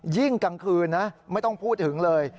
ยิ่งกลางคืนนะไม่ต้องพูดถึงเลย